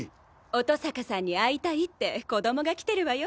乙坂さんに会いたいって子供が来てるわよ。